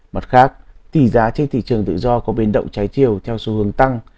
mặt khác tỷ giá trên thị trường tự do có biến động trái chiều theo xu hướng tăng